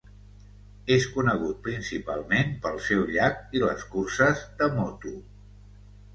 És conegut principalment pel seu llac i les curses de moto.